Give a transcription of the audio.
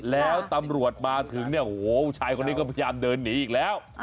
แล้วตำรวจมาถึงเนี่ยโอ้โหชายคนนี้ก็พยายามเดินหนีอีกแล้ว